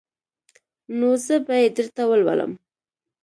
نو زه به يې درته ولولم.